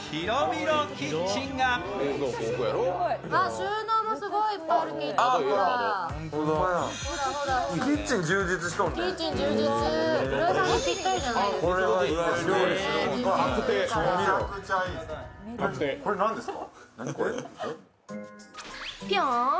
浦井さんにぴったりじゃないですか。